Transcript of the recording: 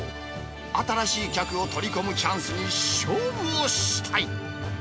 新しい客を取り込むチャンスに勝負をしたい。